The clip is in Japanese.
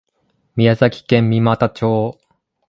宮崎県三股町